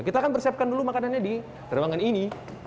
kita akan persiapkan dulu makanannya di terbangan ini